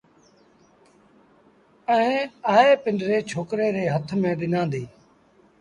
ائيٚݩ آئي پنڊري ڇوڪري ري هٿ ميݩ ڏنآݩديٚ